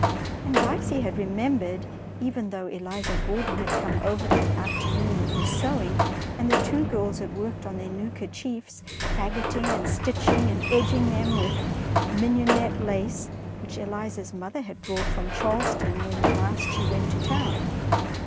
And Dicey had remembered, even though Eliza Grordon had come over that afternoon with her sewing, and the two girls had worked on their new kerchiefs, fagoting and stitching and edging them with some Mignonette lace which Eliza's mother had brought from Charleston when last she went to town.